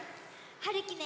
はるきね